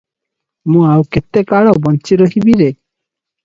ମୁଁ ଆଉ କେତେ କାଳ ବଞ୍ଚି ରହିବି ରେ!